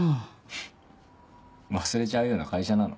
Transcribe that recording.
フッ忘れちゃうような会社なの？